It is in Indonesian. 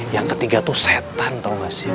yang ketiga tuh setan tau gak sih